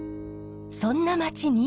そんな町に。